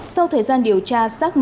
sau thời gian điều tra